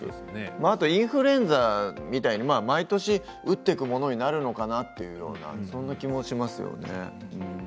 あとインフルエンザみたいに毎年打っていくものになるのかなというようなそんな気もしますよね。